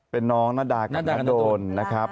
เป็นน้องนาดากับน้าโดนนะครับ